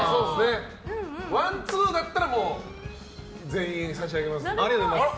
ワンツーだったら全員差し上げます。